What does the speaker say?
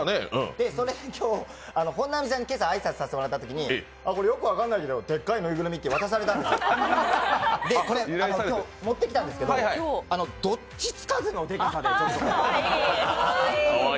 それで今日、本並さんに今朝挨拶させていただいたときにこれよく分からないけど、でっかいぬいぐるみって、渡されたんですよで、これ持ってきたんですけど、どっちつかずのでかさで。